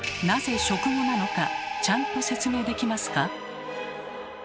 なぜ「食後」なのかちゃんと説明できますか？